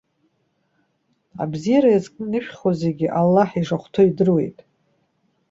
Абзиара иазкны инышәхуа зегьы Аллаҳ ишахәҭоу идыруеит.